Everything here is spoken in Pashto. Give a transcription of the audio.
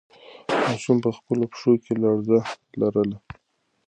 ماشوم په خپلو پښو کې لړزه لرله.